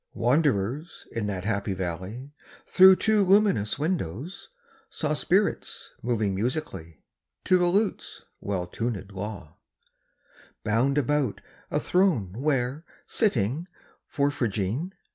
Wanderers in that happy valley, Through two luminous windows, saw Spirits moving musically, To a lute's well tunëd law, Bound about a throne where, sitting (Porphyrogene!)